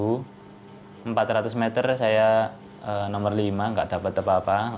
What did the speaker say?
di nomor empat ratus meter saya nomor lima tidak dapat apa apa